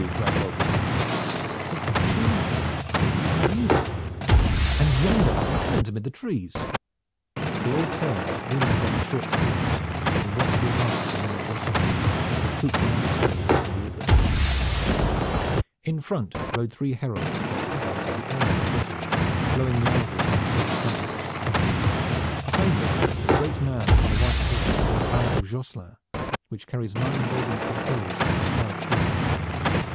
cried Belford. "But surely I hear music, and yonder are their pennons amid the trees." They all turned, leaning upon their short spears, and watched the advance of the men of Josselin, as their troop wound its way out from the woodlands. In front rode three heralds with tabards of the ermine of Brittany, blowing loudly upon silver trumpets. Behind them a great man upon a white horse bore the banner of Josselin which carries nine golden torteaus upon a scarlet field.